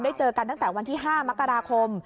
เจอกันตั้งแต่วันที่๕มกราคม